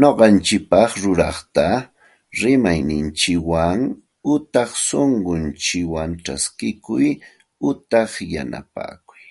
Ñuqanchikpaq ruraqta rimayninchikwan utaq sunqunchikwan chaskikuy utaq yanapakuy